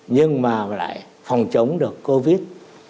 nhưng mà lại phòng chống được covid